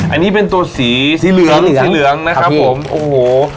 อันนี้เป็นตัวสีเหลืองนะครับผม